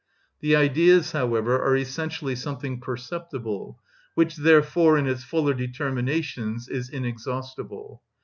The Ideas, however, are essentially something perceptible, which, therefore, in its fuller determinations, is inexhaustible.